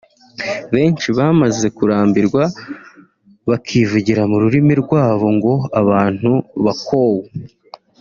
Benshi bamaze kurambirwa bakivugira mu rurimi rwabo ngo “Abantu bakoowu